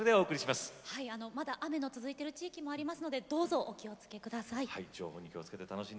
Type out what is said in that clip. まだ雨の続いている地域がありますのでどうぞお気をつけください。